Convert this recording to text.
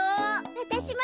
わたしも。